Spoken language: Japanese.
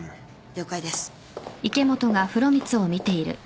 了解です。